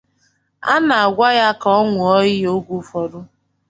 a na-agwa ya ka ọ ñụọ iyi oge ụfọdụ